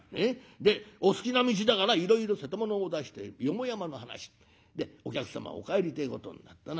でお好きな道だからいろいろ瀬戸物を出して四方山の話。でお客様お帰りてえことになったな。